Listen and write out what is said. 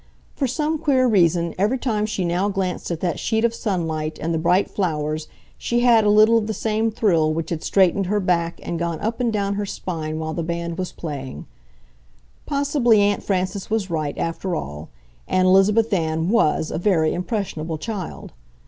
For some queer reason, every time she now glanced at that sheet of sunlight and the bright flowers she had a little of the same thrill which had straightened her back and gone up and down her spine while the band was playing. Possibly Aunt Frances was right, after all, and Elizabeth Ann WAS a very impressionable child.